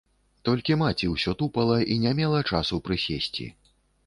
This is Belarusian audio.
Толькі маці ўсё тупала і не мела часу прысесці.